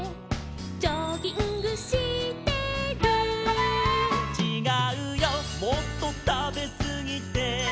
「ジョギングしてる」「ちがうよもっとたべすぎて」